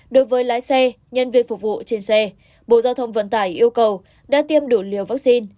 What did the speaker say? đối với lái xe nhân viên phục vụ trên xe bộ giao thông vận tải yêu cầu đã tiêm đủ liều vaccine